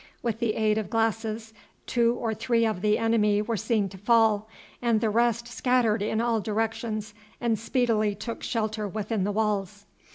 With the aid of glasses two or three of the enemy were seen to fall, and the rest scattered in all directions and speedily took shelter within the walls.